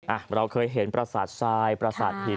อะเราเคยเห็นปลาสัตว์ชายปลาสัตว์หิน